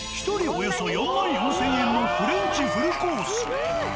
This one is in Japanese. およそ４４，０００円のフレンチフルコース。